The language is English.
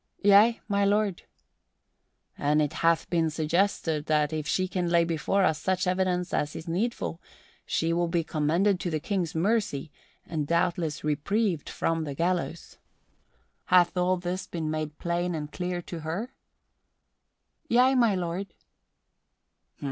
"Yea, my lord." "And it hath been suggested that if she can lay before us such evidence as is needful, she will be commended to the King's mercy and doubtless reprieved from the gallows. Hath all this been made plain and clear to her?" "Yea, my lord."